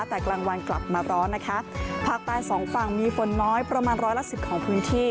แต่กลางวันกลับมาร้อนนะคะภาคใต้สองฝั่งมีฝนน้อยประมาณร้อยละสิบของพื้นที่